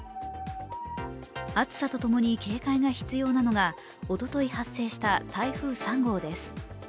暑さとともに警戒が必要なのがおととい発生した台風３号です。